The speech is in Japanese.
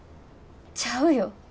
ちゃうよ。